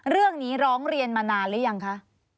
เรื่องนี้ร้องเรียนมานานหรือยังคะ